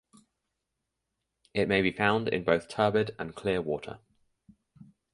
It may be found in both turbid and clear water.